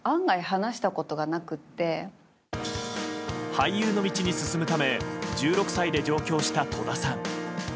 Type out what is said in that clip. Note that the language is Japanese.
俳優の道に進むため１６歳で上京した戸田さん。